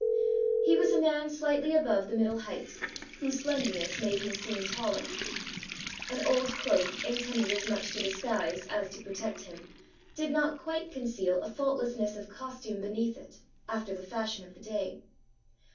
He was a man slightly above the middle height, whose slenderness made him seem taller. An old cloak, intended as much to disguise as to protect him, did not quite conceal a faultlessness of costume beneath it, after the fashion of the day.